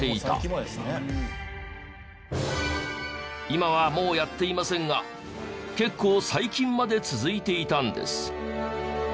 今はもうやっていませんが結構最近まで続いていたんです。